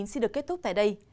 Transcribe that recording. xin được kết thúc tại đây